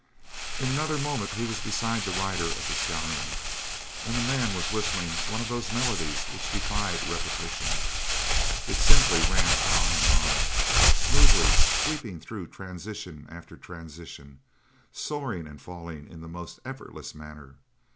In another moment he was beside the rider of the stallion, and the man was whistling one of those melodies which defied repetition. It simply ran on and on, smoothly, sweeping through transition after transition, soaring and falling in the most effortless manner.